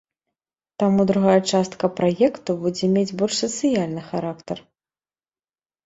Таму другая частка праекту будзе мець больш сацыяльны характар.